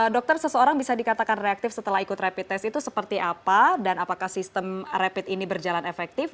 dokter seseorang bisa dikatakan reaktif setelah ikut rapid test itu seperti apa dan apakah sistem rapid ini berjalan efektif